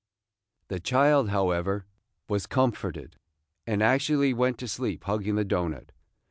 The child, however, was comforted, and actually went to sleep hugging the doughnut.